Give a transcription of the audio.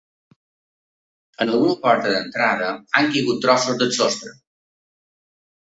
En alguna porta d’entrada han caigut trossos del sostre.